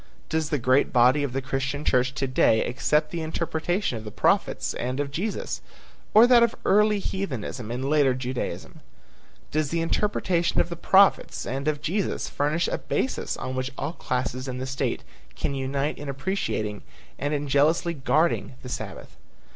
Does the great body of the Christian church to day accept the interpretation of the prophets and of Jesus, or that of early heathenism and later Judaism? Does the interpretation of the prophets and of Jesus furnish a basis on which all classes in the state can unite in appreciating and in jealously guarding the Sabbath?